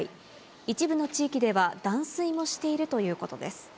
一部の地域では断水もしているということです。